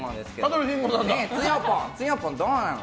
つよぽん、どうなの？